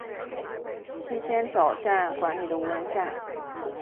气仙沼站管理的无人站。